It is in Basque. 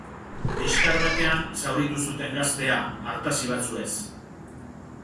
Liskar batean zauritu zuten gaztea, artazi batzuez.